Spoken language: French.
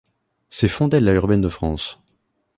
Ses font d’elle la urbaine de France.